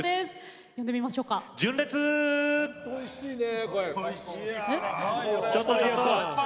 おいしいね。